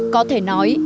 có thể nói